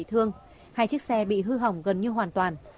thương hai chiếc xe bị hư hỏng gần như hoàn toàn